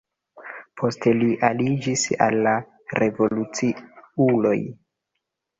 Poste li aliĝis al la revoluciuloj.